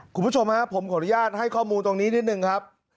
คุณผู้ชมฮะผมขออนุญาตให้ข้อมูลตรงนี้นิดนึงครับ